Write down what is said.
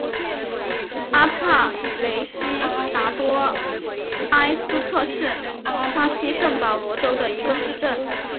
阿帕雷西达多埃斯特是巴西圣保罗州的一个市镇。